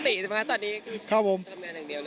ทำงานปกติใช่ไหมครับตอนนี้